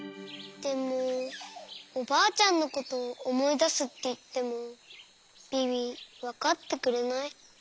でもおばあちゃんのことおもいだすっていってもビビわかってくれない。